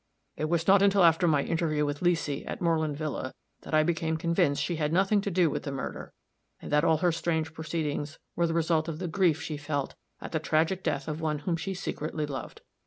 It was not until after my interview with Leesy, at Moreland villa, that I became convinced she had nothing to do with the murder, and that all her strange proceedings were the result of the grief she felt at the tragic death of one whom she secretly loved.